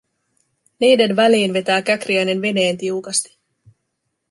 Niiden väliin vetää Käkriäinen veneen tiukasti.